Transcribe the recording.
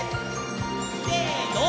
せの！